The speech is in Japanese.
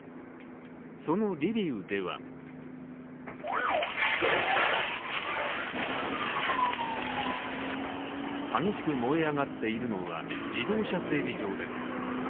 その理由では激しく燃え上がっているのは自動車整備場です。